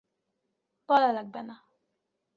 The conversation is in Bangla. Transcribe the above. বলা লাগবে না।